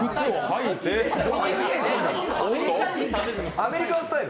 アメリカンスタイル。